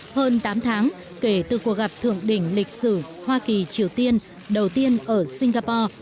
hơn tám tháng kể từ cuộc gặp thượng đỉnh lịch sử hoa kỳ triều tiên đầu tiên ở singapore